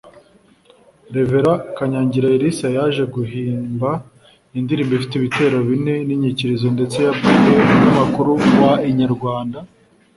Rev Kanyangira Elisa yaje guhimba indirimbo ifite ibitero bine n’inyikirizo ndetse yabwiye umunyamakuru wa Inyarwanda